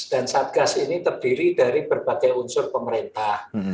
dan satgas ini terdiri dari berbagai unsur pemerintah